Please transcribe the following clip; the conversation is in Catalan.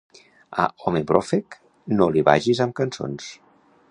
A home bròfec, no li vagis amb cançons.